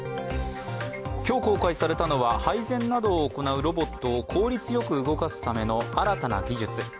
今日公開されたのは配膳などを行うロボットを効率よく動かすための新たな技術。